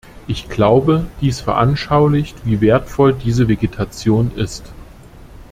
Ich glaube, dies veranschaulicht, wie wertvoll diese Vegetation ist.